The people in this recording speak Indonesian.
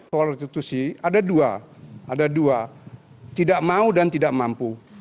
soal restitusi ada dua tidak mau dan tidak mampu